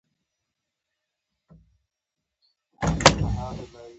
سوچ د بریالیتوب لومړی ګام دی.